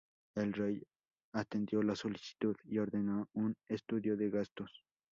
El rey atendió la solicitud y ordenó un estudio de gastos.